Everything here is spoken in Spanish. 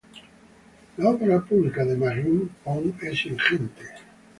La obra publicada de Magín Pont es ingente.